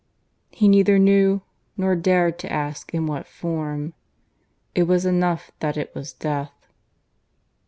... He neither knew nor dared to ask in what form. It was enough that it was death.